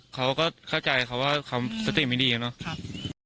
เขาก็เข้าใจเขาว่าคำสติไม่ดีนะครับครับ